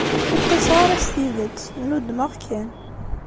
Ur ṭṭiseɣ ara s tidet, nnudmeɣ kan.